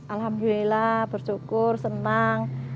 alhamdulillah bersyukur senang